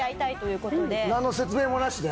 なんの説明もなしで？